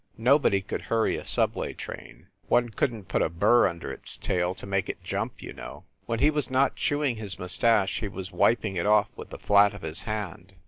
Nobody could hurry a subway train. One couldn t put a burr un der its tail to make it jump, you know. When he was not chewing his mustache he was wiping it off with the flat of his hand.